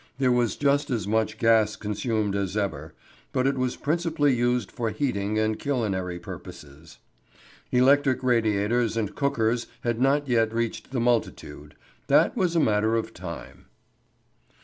There was just as much gas consumed as ever, but it was principally used for heating and culinary purposes. Electric radiators and cookers had not yet reached the multitude; that was a matter of time.